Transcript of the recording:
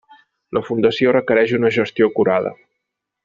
La fundació requereix una gestió acurada.